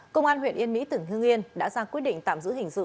công an huyện yên mỹ tỉnh hương yên đã ra quyết định tạm giữ hình sự